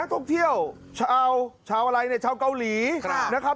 ท่องเที่ยวชาวอะไรเนี่ยชาวเกาหลีนะครับ